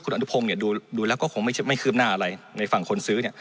คุณอนุพงศ์เนี้ยดูดูแล้วก็คงไม่ใช่ไม่คืบหน้าอะไรในฝั่งคนซื้อเนี้ย